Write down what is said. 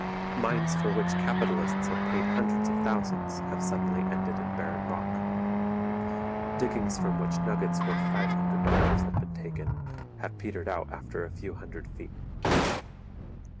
Mines for which capitalists have paid hundreds of thousands have suddenly ended in barren rock. Diggings from which nuggets worth five hundred dollars have been taken have petered out after a few hundred feet.